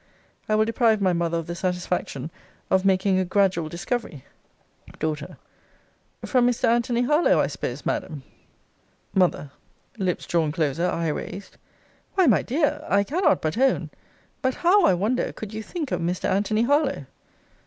I will deprive my mother of the satisfaction of making a gradual discovery. D. From Mr. Antony Harlowe, I suppose, Madam? M. [Lips drawn closer: eye raised] Why, my dear! I cannot but own But how, I wonder, could you think of Mr. Anthony Harlowe? D.